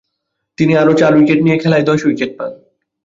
তিনি আরও চার উইকেট নিয়ে খেলায় দশ উইকেট পান।